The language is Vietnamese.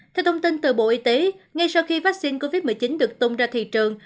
theo thông tin từ bộ y tế ngay sau khi vaccine covid một mươi chín được tung ra thị trường